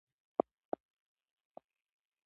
ډاکټره کارلا هومبو څېړنه رهبري کوي.